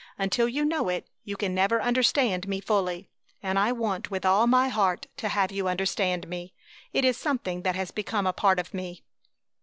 "Until you know it you can never understand me fully, and I want with all my heart to have you understand me. It is something that has become a part of me."